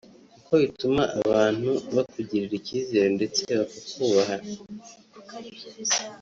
kuko bituma abantu bakugirira icyizere ndetse bakakubaha